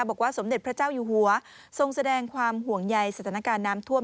บอกว่าสมเด็จพระเจ้าอยู่หัวทรงแสดงความห่วงใยสถานการณ์น้ำท่วม